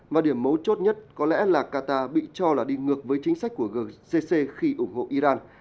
mà điểm mấu chốt nhất có lẽ là qatar bị cho là đi ngược với chính sách của gcc khi ủng hộ iran